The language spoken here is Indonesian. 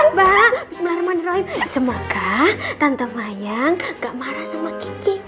mbak bismillahirrahmanirrahim semoga tante mayang kakak marah sama kiki